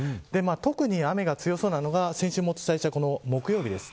特に雨が強そうなのが先週もお伝えした木曜日です。